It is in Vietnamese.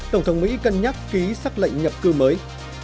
tổng thống mỹ cân nhắc ký xác lệnh nhập cư mới